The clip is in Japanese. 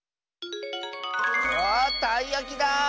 あたいやきだ！